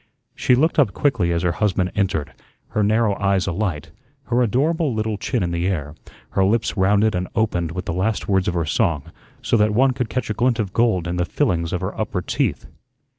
She looked up quickly as her husband entered, her narrow eyes alight, her adorable little chin in the air; her lips rounded and opened with the last words of her song, so that one could catch a glint of gold in the fillings of her upper teeth.